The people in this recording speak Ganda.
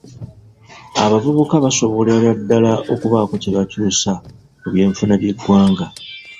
Abavubuka basobolera ddaala okubaako kye bakyusa ku by'ebyenfuna by'eggwanga.